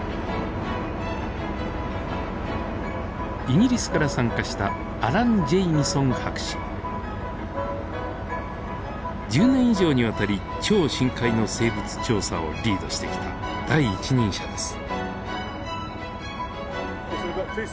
イギリスから参加した１０年以上にわたり超深海の生物調査をリードしてきた第一人者です。